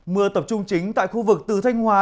mưa tập trung chính tại khu vực từ thanh hóa